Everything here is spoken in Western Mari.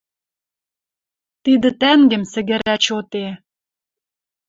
Тидӹ тӓнгем сӹгӹрӓ чоте.